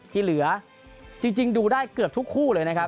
ที่เหลือจริงดูได้เกือบทุกคู่เลยนะครับ